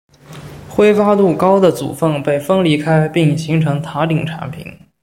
挥发度高的组分被分离开并形成塔顶产品。